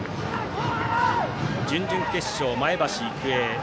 準々決勝、前橋育英戦。